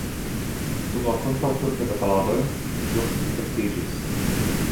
Dum la kontraŭturkaj bataladoj ĝi ofte difektiĝis.